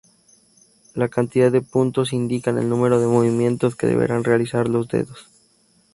La cantidad de puntos indican el número de movimientos que deberán realizar los dedos.